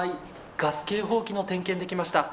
ガス警報器の点検で来ました。